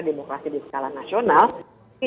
demokrasi di skala nasional ini